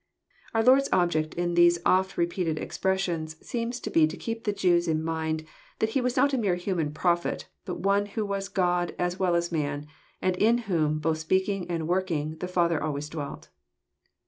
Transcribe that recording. Our Lord's object in these often re peated expressions seems to be to keep the Jews in mind that He was not a mere human Prophet, but one who was God as well as man, and in whom, both speaking and working, the Father always dwelt.